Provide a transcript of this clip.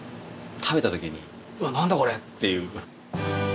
食べた時に「うわっなんだ？これ」っていう。